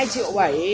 hai triệu bảy